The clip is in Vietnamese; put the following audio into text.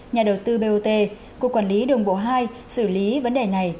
nhà đầu tư bot cục quản lý đường bộ hai xử lý vấn đề này